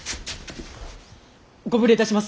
ご無礼いたします。